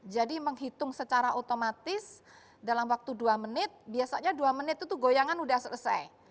jadi menghitung secara otomatis dalam waktu dua menit biasanya dua menit itu goyangan sudah selesai